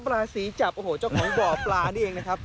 ราศีจับโอ้โหเจ้าของบ่อปลานี่เองนะครับ